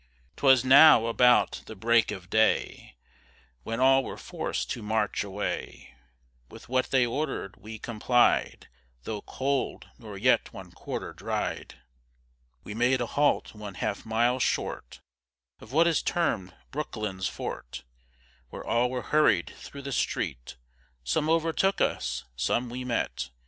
'Twas now about the break of day, When all were forc'd to march away; With what they order'd we complied, Though cold, nor yet one quarter dried. We made a halt one half mile short Of what is term'd Brucklyn's fort; Where all were hurried through the street: Some overtook us, some we met.